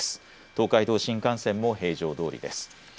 東海道新幹線も平常どおりです。